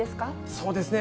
そうですね。